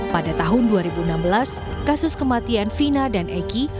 pada tahun dua ribu enam belas kasus kematian vina dan eki